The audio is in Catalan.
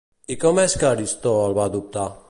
I com és que Aristó el va adoptar?